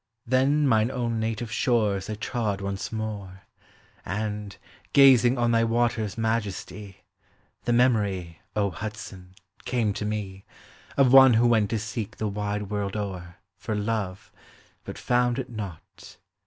Then mine own native shores I trod once more, And, gazing on thy waters' majesty, The memory, () Hudson, came to me Of one who went to seek the wide world o'er For love, but found it not.